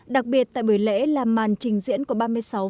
đặc biệt tại buổi lễ là màn trình diễn của ba mươi sáu